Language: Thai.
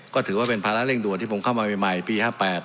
ก็ถือว่าเป็นภาระเร่งด่วนที่ผมเข้ามาใหม่ปี๕๘